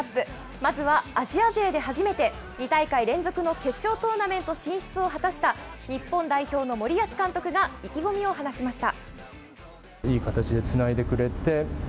まずはアジア勢で初めて２大会連続の決勝トーナメント進出を果たした、日本代表の森保監督が意気込みを話しました。